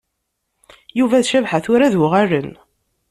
Yuba d Cabḥa tura ad uɣalen.